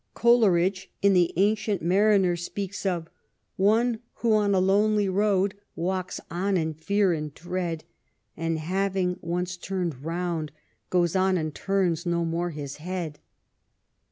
Coleridge, in the Ancient Mariner, speaks of ''One who on a lonely road Walks on in fear and dread, And having once turned round, goes on And turns no more his head."